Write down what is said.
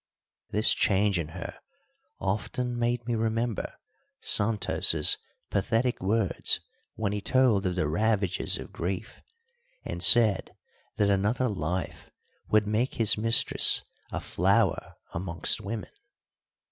This change in her often made me remember Santos' pathetic words when he told of the ravages of grief, and said that another life would make his mistress a "flower amongst women."